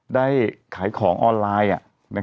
ได้ขายของออนไลน์